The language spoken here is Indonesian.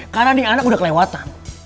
karena adiknya anak udah kelewatan